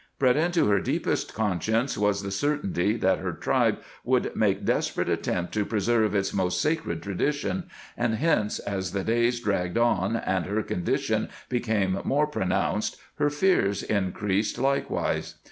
Bred into her deepest conscience was the certainty that her tribe would make desperate attempt to preserve its most sacred tradition, and hence, as the days dragged on and her condition became more pronounced her fears increased likewise.